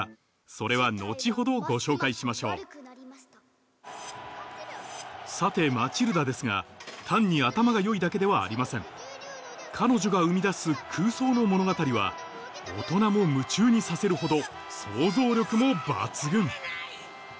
それは後ほどご紹介しましょうさてマチルダですが単に頭が良いだけではありません彼女が生み出す空想の物語は大人も夢中にさせるほど想像力も抜群